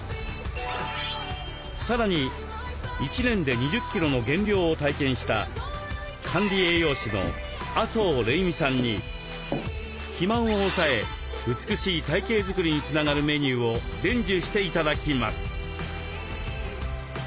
さらに１年で２０キロの減量を体験した管理栄養士の麻生れいみさんに肥満を抑え美しい体形作りにつながるメニューを伝授して頂きます。